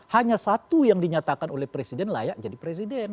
hanya satu yang dinyatakan oleh presiden layak jadi presiden